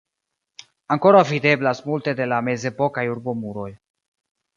Ankoraŭ videblas multe de la mezepokaj urbomuroj.